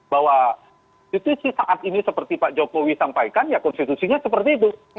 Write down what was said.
bahwa institusi saat ini seperti pak jokowi sampaikan ya konstitusinya seperti itu